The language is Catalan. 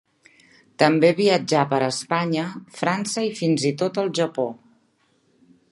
També viatjà per Espanya, França i fins i tot el Japó.